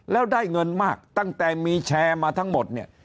แล้วได้เงินมากตั้งแต่มีแชร์มาทั้งหมดเนี่ย